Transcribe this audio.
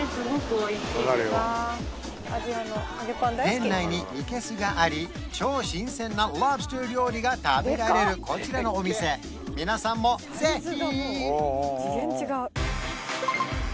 店内にいけすがあり超新鮮なロブスター料理が食べられるこちらのお店皆さんもぜひ！